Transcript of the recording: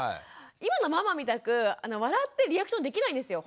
今のママみたく笑ってリアクションできないんですよ。